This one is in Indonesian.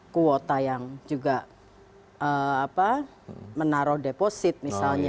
kuota yang juga menaruh deposit misalnya